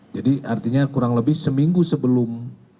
jadi artinya kurang lebih seminggu sebelum